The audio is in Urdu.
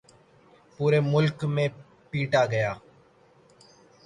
پورے ملک میں پیٹا گیا۔